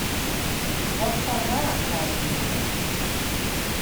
Wat foar waar krije we hjoed?